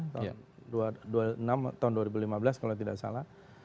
tahun dua puluh enam tahun dua ribu lima belas kalau tidak salah